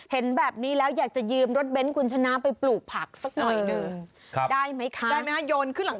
เห็นแบบนี้แล้วอยากจะยืมรถเบนต์คุณชนะไปปลูกผักสักหน่อยหนึ่ง